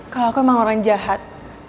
kalau aku memang orang jahat